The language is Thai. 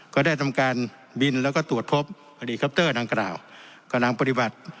ก็ได้ทำการบินแล้วก็ตรวจพบดังกล่าวกำลังปฏิบัติ